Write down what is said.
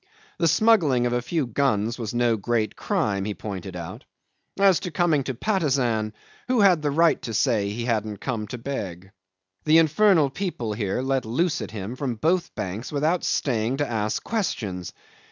The smuggling of a few guns was no great crime, he pointed out. As to coming to Patusan, who had the right to say he hadn't come to beg? The infernal people here let loose at him from both banks without staying to ask questions.